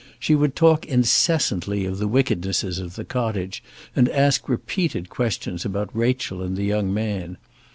She would talk incessantly of the wickednesses of the cottage, and ask repeated questions about Rachel and the young man.